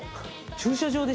駐車場で？